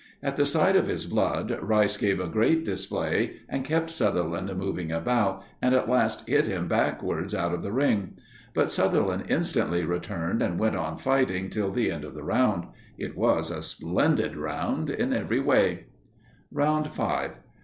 At the sight of his blood, Rice gave a great display and kept Sutherland moving about, and at last hit him backwards out of the ring. But Sutherland instantly returned and went on fighting till the end of the round. It was a splendid round in every way. Round 5.